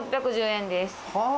５６１０円です。